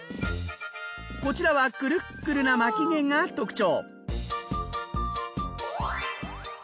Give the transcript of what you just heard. こちらはくるっくるな巻き毛が特徴。